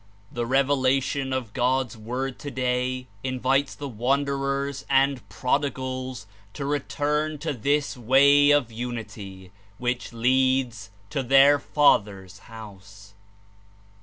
The revelation of God's Word today Invites the wanderers and prodigals to return to this way of Unity, which leads to their Father's House.